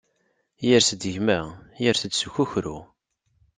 Yers-d gma, yers-d s ukukru.